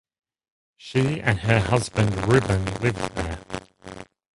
She and her husband Reuben lived there.